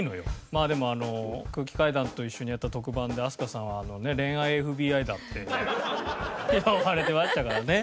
まあでもあの空気階段と一緒にやった特番で飛鳥さんは恋愛ＦＢＩだって呼ばれてましたからね。